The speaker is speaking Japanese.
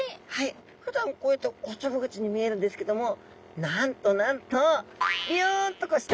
ふだんこうやっておちょぼ口に見えるんですけどもなんとなんとビヨンと下に伸びるんですね。